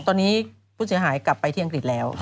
ตอนนี้ผู้เสียหายกลับไปที่อังกฤษแล้ว